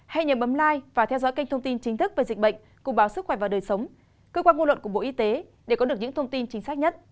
hãy nhầm bấm lai và theo dõi kênh thông tin chính thức về dịch bệnh cùng báo sức khỏe và đời sống cơ quan ngôn luận của bộ y tế để có được những thông tin chính xác nhất